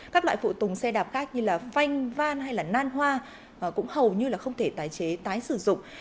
các loại phụ tùng xe đạp khác như phanh van hay nan hoa cũng hầu như không thể tái chế tái sử dụng